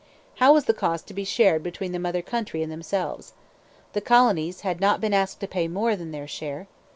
How was the cost to be shared between the mother country and themselves? The colonies had not been asked to pay more than their share.